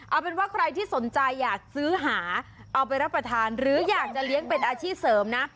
เอาเป็นว่าใครที่สนใจอยากซื้อหาเอาไปรับประทานหรืออยากจะเลี้ยงเป็นอาชีพเสริมนะ